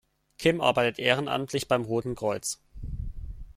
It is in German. Kim arbeitet ehrenamtlich beim Roten Kreuz.